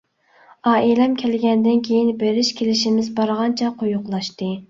ئائىلەم كەلگەندىن كېيىن بېرىش-كېلىشىمىز بارغانچە قويۇقلاشتى.